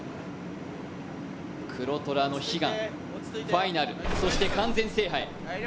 黒虎の悲願、ファイナル、そして完全制覇へ。